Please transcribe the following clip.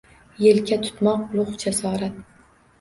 Yelka tutmoq ulugʼ jasorat.